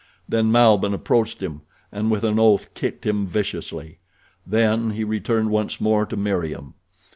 Then Malbihn approached him, and with an oath kicked him viciously. Then he returned once more to Meriem.